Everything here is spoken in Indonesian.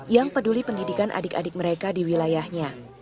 yang peduli pendidikan adik adik mereka di wilayahnya